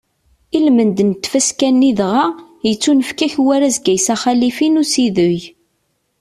I lmend n tfaska-nni dɣa, yettunefk-ak warraz Kaysa Xalifi n usideg.